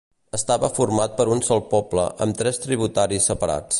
Estava format per un sol poble amb tres tributaris separats.